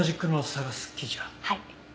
はい。